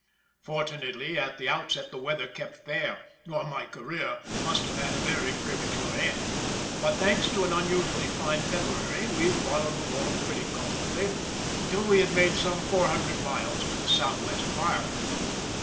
Fortunately at the outset the weather kept fair, or my career must have had a very premature end; but thanks to an unusually fine February we wallowed along pretty comfortably, till we had made some 400 miles to the south west of Ireland.